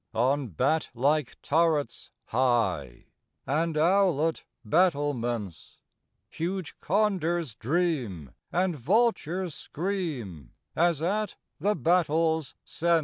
On bat like turrets high, And owlet battlements, Huge condors dream and vultures scream As at the battle's scents.